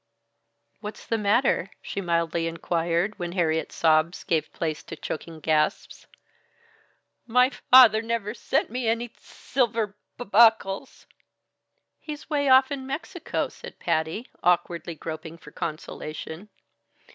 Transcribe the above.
"What's the matter?" she mildly inquired, when Harriet's sobs gave place to choking gasps. "My father never sent me any s silver b buckles." "He's way off in Mexico," said Patty, awkwardly groping for consolation.